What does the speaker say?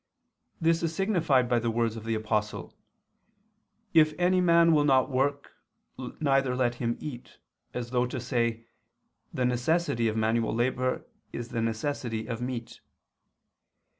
This is signified by the words of the Apostle: "If any man will not work, neither let him eat," as though to say: "The necessity of manual labor is the necessity of meat."